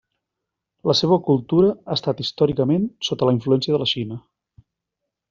La seva cultura ha estat històricament sota la influència de la Xina.